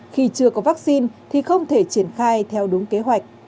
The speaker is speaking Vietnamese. khi chưa có vaccine thì không thể triển khai theo đúng kế hoạch